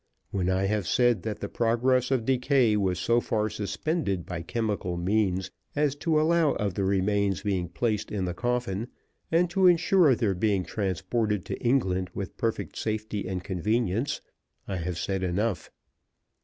When I have said that the progress of decay was so far suspended by chemical means as to allow of the remains being placed in the coffin, and to insure their being transported to England with perfect safety and convenience, I have said enough.